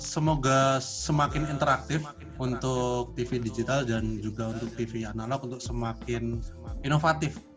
semoga semakin interaktif untuk tv digital dan juga untuk tv analog untuk semakin inovatif